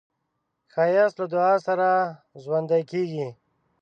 ښایست له دعا سره ژوندی کېږي